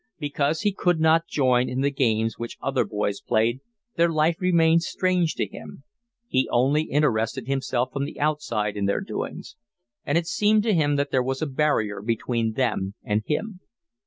Because he could not join in the games which other boys played, their life remained strange to him; he only interested himself from the outside in their doings; and it seemed to him that there was a barrier between them and him.